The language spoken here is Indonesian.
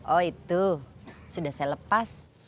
oh itu sudah saya lepas